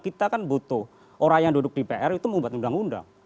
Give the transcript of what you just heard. kita kan butuh orang yang duduk di pr itu membuat undang undang